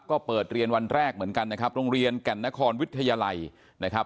ก็เปิดเรียนวันแรกเหมือนกันนะครับโรงเรียนแก่นนครวิทยาลัยนะครับ